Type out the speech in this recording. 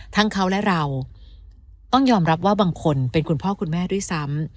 ทั้งเขาและเราต้องยอมรับว่าบางคนเป็นคุณพ่อคุณแม่ด้วยซ้ำ